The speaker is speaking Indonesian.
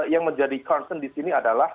yang menjadi concern di sini adalah